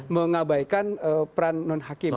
mengabaikan peran non hakim